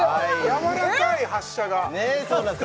やわらかい発射がえっ！？